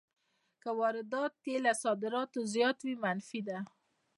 که واردات یې له صادراتو زیات وي منفي ده